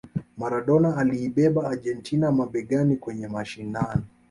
Maradona aliibeba Argentina mabegani kwenye mashindano